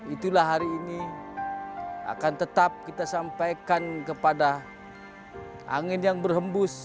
itulah hari ini akan tetap kita sampaikan kepada angin yang berhembus